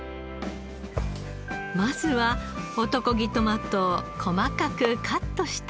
まずは男気トマトを細かくカットしたら。